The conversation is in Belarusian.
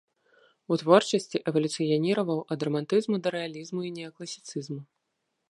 У творчасці эвалюцыяніраваў ад рамантызму да рэалізму і неакласіцызму.